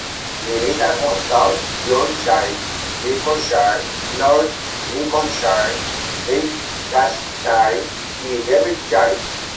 Limita con South Yorkshire, Lincolnshire, North Lincolnshire, Leicestershire y Derbyshire.